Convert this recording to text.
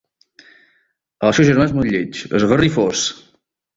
El seu germà és molt lleig: esgarrifós!